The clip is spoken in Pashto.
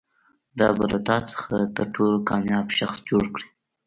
دا به له تا څخه تر ټولو کامیاب شخص جوړ کړي.